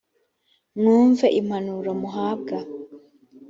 mwumve impanuro muhabwa.